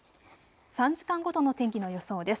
３時間ごとの天気の予想です。